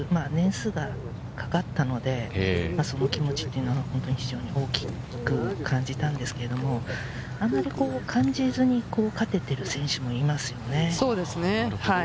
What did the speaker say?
年数がかかったので、その気持ちというのが大きく感じたんですけれど、あんまり感じずに勝ててる選手もいますよね。